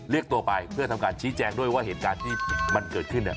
เรียกตัวไปเพื่อทำการชี้แจงด้วยว่าเหตุการณ์ที่มันเกิดขึ้นเนี่ย